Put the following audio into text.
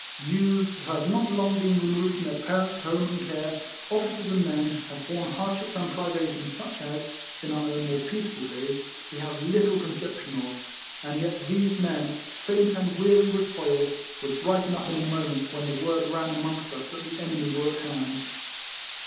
Youths, who had not long been removed from their parents' home and care, officers and men, have borne hardships and privations such as (in our own more peaceful days) we have little con ception of; and yet these men, faint and weary with toil, would brighten up in a 62 RECOLLECTIONS OF moment when the word ran amongst us that the enemy were at hand.